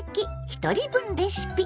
ひとり分レシピ」。